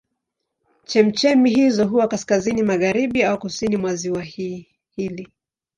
Chemchemi hizo huwa kaskazini magharibi na kusini mwa ziwa hili.